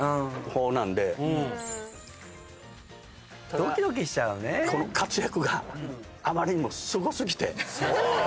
どきどきしちゃうね活躍があまりにもすごすぎて。